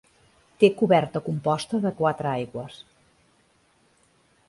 Té coberta composta de quatre aigües.